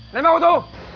lấy máy ô tô